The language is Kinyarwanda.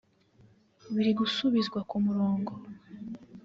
biri gusubizwa ku murongo